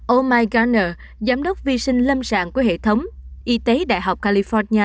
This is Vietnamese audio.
omar garner giám đốc vi sinh lâm sản của hệ thống y tế đại học california